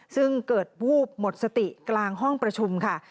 ซึ่งเกิดวูบหมดสติกลางห้องประชุมค่ะ